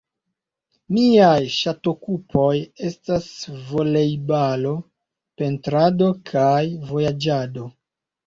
Miaj ŝatokupoj estas volejbalo, pentrado kaj vojaĝado.